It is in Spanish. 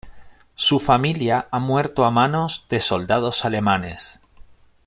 Su familia ha muerto a manos de soldados alemanes.